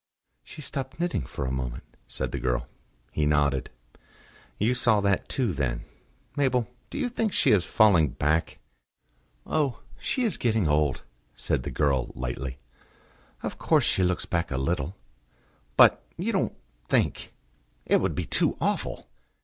"She stopped knitting for a moment," said the girl. He nodded. "You saw that too, then.... Mabel, do you think she is falling back?" "Oh! she is getting old," said the girl lightly. "Of course she looks back a little." "But you don't think it would be too awful!"